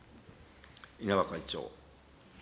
稲葉会長。